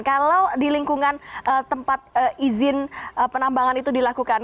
kalau di lingkungan tempat izin penambangan itu dilakukan